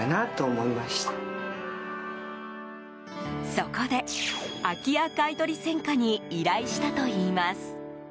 そこで、空き家買取専科に依頼したといいます。